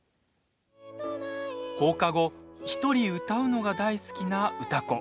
放課後、１人歌うのが大好きな歌子。